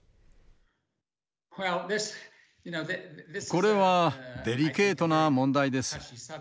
これはデリケートな問題です。